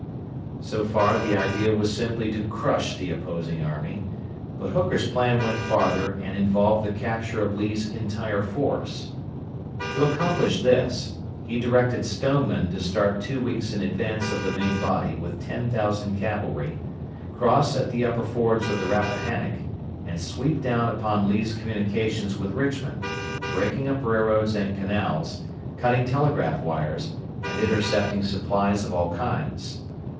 So far the idea was simply to crush the opposing army, but Hooker's plan went farther and involved the capture of Lee's entire force. To accomplish this he directed Stoneman to start two weeks in advance of the main body with ten thousand cavalry, cross at the upper fords of the Rappahannock, and sweep down upon Lee's communications with Richmond, breaking up railroads and canals, cutting telegraph wires, and intercepting supplies of all kinds.